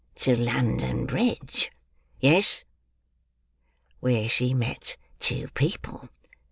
"To London Bridge?" "Yes." "Where she met two people."